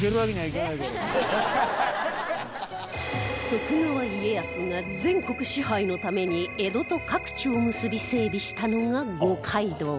徳川家康が全国支配のために江戸と各地を結び整備したのが五街道